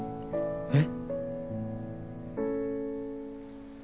えっ？